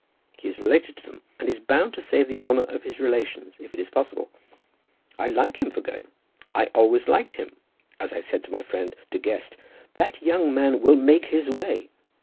He is related to them, and is bound to save the honour of his relations if it be possible. I like him for going. I always liked him. As I said to my friend De Guest, 'That young man will make his way.'